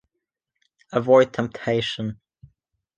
Avoid temptation.